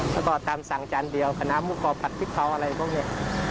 แล้วก็ตามสั่งจานเดียวคณะหมูกรอบผัดพริกเผาอะไรพวกนี้